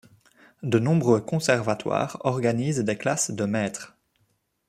De nombreux conservatoires organisent des classes de maîtres.